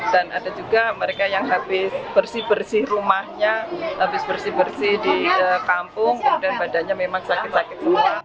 dan ada juga mereka yang habis bersih bersih rumahnya habis bersih bersih di kampung kemudian badannya memang sakit sakit semua